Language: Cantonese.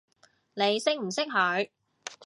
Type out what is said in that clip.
你識唔識佢？